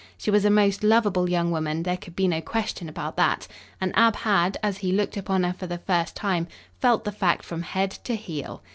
She was a most lovable young woman there could be no question about that and Ab had, as he looked upon her for the first time, felt the fact from head to heel.